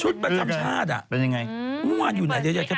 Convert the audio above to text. ชุดประจำชาติอะ